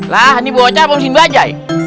nah ini bocah mau disini aja